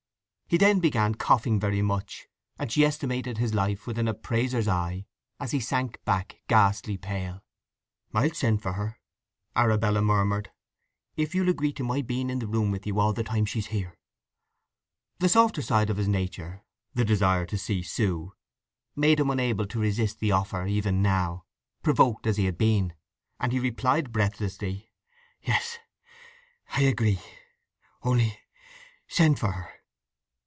He then began coughing very much, and she estimated his life with an appraiser's eye as he sank back ghastly pale. "I'll send for her," Arabella murmured, "if you'll agree to my being in the room with you all the time she's here." The softer side of his nature, the desire to see Sue, made him unable to resist the offer even now, provoked as he had been; and he replied breathlessly: "Yes, I agree. Only send for her!"